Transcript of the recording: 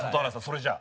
それじゃ。